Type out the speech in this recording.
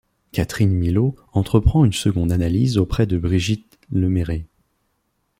Catherine Millot entreprend une seconde analyse auprès de Brigitte Lemérer.